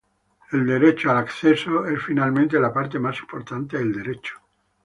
El derecho al acceso es finalmente la parte más importante del derecho.